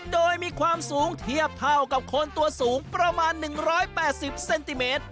โดยมีความสูงเทียบเท่ากับคนตัวสูงประมาณ๑๘๐เซนติเมตร